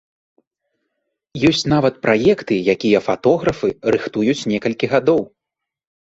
Ёсць нават праекты, якія фатографы рыхтуюць некалькі гадоў.